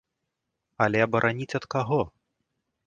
Але абараніць ад каго?